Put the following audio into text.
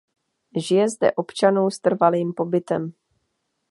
Žije zde občanů s trvalým pobytem.